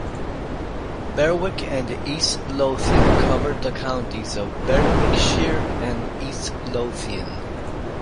Berwick and East Lothian covered the counties of Berwickshire and East Lothian.